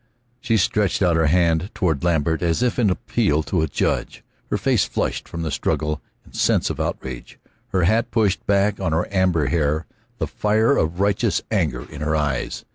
She stretched out her hand toward Lambert as if in appeal to a judge, her face flushed from the struggle and sense of outrage, her hat pushed back on her amber hair, the fire of righteous anger in her eyes.